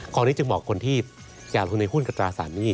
กองนี้จึงเหมาะกับคนที่อยากลงทุนในหุ้นกับตราสารนี้